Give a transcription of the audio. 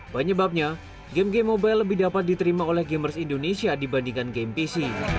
banyaknya game game mobile lebih dapat diterima oleh gamers indonesia dibandingkan game pc